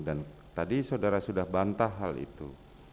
dan tadi saudara sudah bantah hal itu